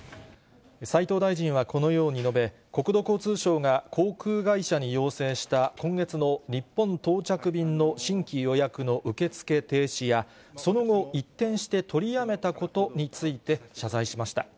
斉藤大臣はこのように述べ、国土交通省が航空会社に要請した今月の日本到着便の新規予約の受け付け停止や、その後、一転して取りやめたことについて謝罪しました。